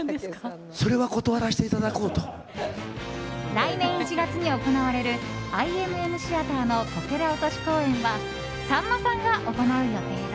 来年１月に行われるＩＭＭＴＨＥＡＴＥＲのこけら落とし公演はさんまさんが行う予定だ。